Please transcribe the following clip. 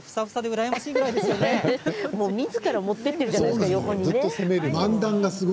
笑い声みずから持ってきているじゃないですか横に。